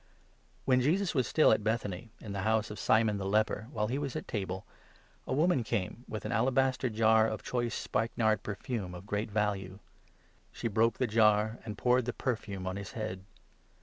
When Jesus was still at Bethany, in the house 3 anointed by °^ Simon the leper, while he was at table, a a woman woman came with an alabaster jar of choice at Bethany, spikenard perfume of great value. She broke the jar, and poured the perfume on his head.